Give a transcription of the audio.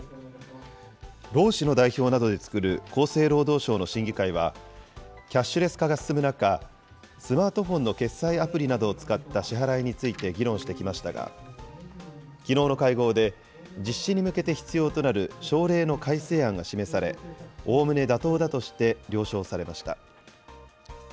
労使の代表などで作る厚生労働省の審議会は、キャッシュレス化が進む中、スマートフォンの決済アプリなどを使った支払いについて議論してきましたが、きのうの会合で、実施に向けて必要となる省令の改正案が示され、おおむね妥当だとして了承されました。